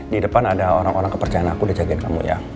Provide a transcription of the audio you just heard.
di depan ada orang orang kepercayaan aku udah jagain kamu ya